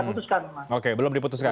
putuskan mas oke belum diputuskan